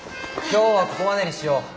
今日はここまでにしよう。